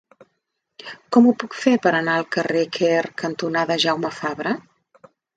Com ho puc fer per anar al carrer Quer cantonada Jaume Fabre?